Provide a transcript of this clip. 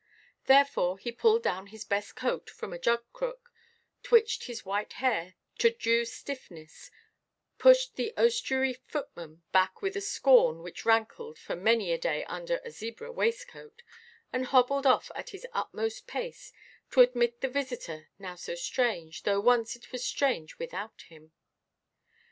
Therefore he pulled down his best coat from a jug–crook, twitched his white hair to due stiffness, pushed the ostiary footman back with a scorn which rankled for many a day under a zebra waistcoat, and hobbled off at his utmost pace to admit the visitor now so strange, though once it was strange without him.